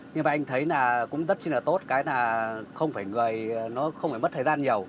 nhưng mà anh thấy là cũng rất là tốt cái là không phải người nó không phải mất thời gian nhiều